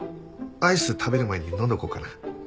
アイス食べる前に飲んどこうかな。